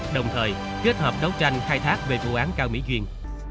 đồng thời kết hợp đấu tranh khai thác về vụ án cao mỹ duyên